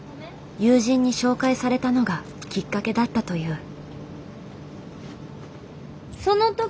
友人に紹介されたのがきっかけだったという。